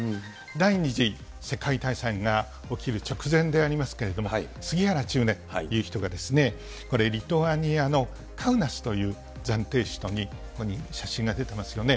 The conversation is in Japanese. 第２次世界大戦が起きる直前でありますけれども、杉原千畝という人がこれ、リトアニアのカウナスという暫定首都に、ここに写真が出てますよね。